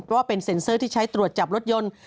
เพราะว่าเป็นเซ็นเซอร์ที่ใช้ตรวจจับรถยนต์